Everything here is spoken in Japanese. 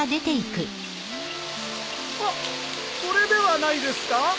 あっこれではないですか？